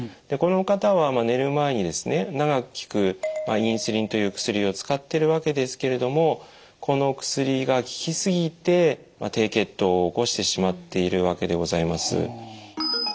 でこの方は寝る前にですね長く効くインスリンという薬を使ってるわけですけれどもこの薬が効き過ぎて低血糖を起こしてしまっているわけでございます。